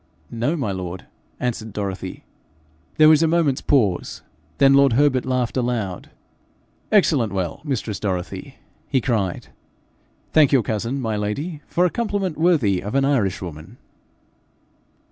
'No, my lord,' answered Dorothy. There was a moment's pause; then lord Herbert laughed aloud. 'Excellent well, mistress Dorothy!' he cried. 'Thank your cousin, my lady, for a compliment worthy of an Irishwoman.'